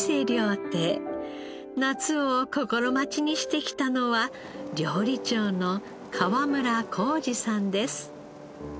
夏を心待ちにしてきたのは料理長の川村浩司さんです。